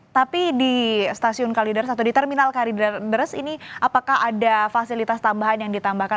tapi di stasiun kalideres atau di terminal kalideres ini apakah ada fasilitas tambahan yang ditambahkan